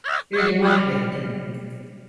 Beni mahvettin.